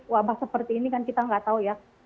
wabah seperti ini kan kita nggak tahu ya